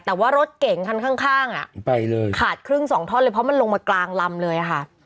แต่ว่ารถเก่งคันข้างอ่ะไปเลยขาดครึ่งสองท่อนเลยเพราะมันลงมากลางลำเลยค่ะ